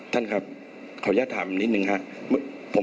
ท่านครับขออนุญาตถามนิดนึงครับ